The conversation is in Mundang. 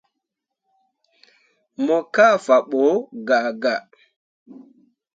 Mo kah fabo gaa gaa.